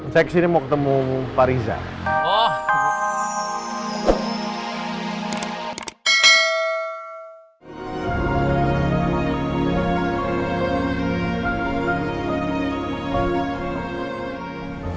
seks ini mau ketemu parihan oh